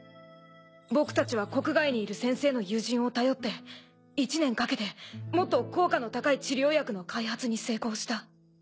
僕たちは国外にいる先生の友人を頼って１年かけてもっと効果の高い治療薬の開発に成功した。